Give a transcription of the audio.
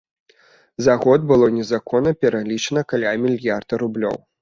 За год было незаконна пералічана каля мільярда рублёў.